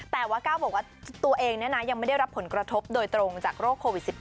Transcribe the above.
แต่ว่าก้าวบอกว่าตัวเองยังไม่ได้รับผลกระทบโดยตรงจากโรคโควิด๑๙